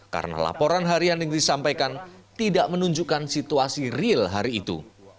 karena laporan harian yang disampaikan tidak menunjukkan situasi real hari itu